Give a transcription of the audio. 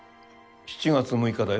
７月６日だよ。